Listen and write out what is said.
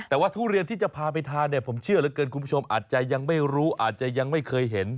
แต่ว่าทุเรียนที่จะพาไปทานเนี่ยผมเชื่อเหลือเกินคุณผู้ชมอาจจะยังไม่รู้อาจจะยังไม่เคยเห็น